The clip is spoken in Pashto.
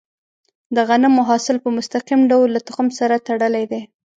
د غنمو حاصل په مستقیم ډول له تخم سره تړلی دی.